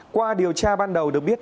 qua điều tra ban đầu được biết